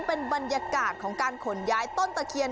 เป็นบรรยากาศของการขนย้ายต้นตะเคียน